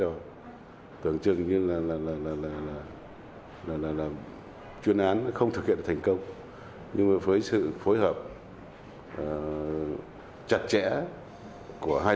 không tưởng chừng như là chuyên án không thực hiện thành công nhưng mà với sự phối hợp chặt chẽ của hai